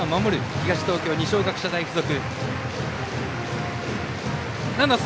東東京、二松学舎大付属。